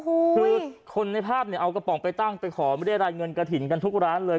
คือคนในภาพเนี่ยเอากระป๋องไปตั้งไปขอไม่ได้รายเงินกระถิ่นกันทุกร้านเลย